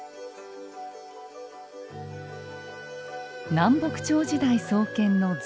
南北朝時代創建の禅寺。